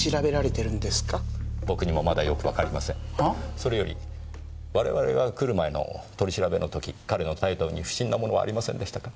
それより我々が来る前の取り調べの時彼の態度に不審なものはありませんでしたか？